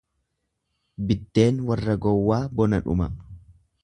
Biddeen warra gowwaa bona dhuma.